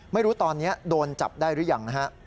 ไม่รู้ตอนนี้โดนจับได้หรือยังนะฮะ